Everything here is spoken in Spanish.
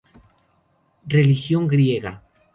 Religión griega.